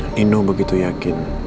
nino begitu yakin